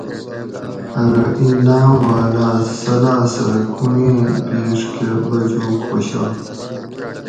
ارو ایں لاۤم والاۤ سلاۤ سہۤ کوئیں پیڛ کہۤ بچوگ خوشائ